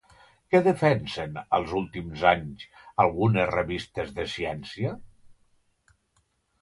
Què defensen, els últims anys, algunes revistes de ciència?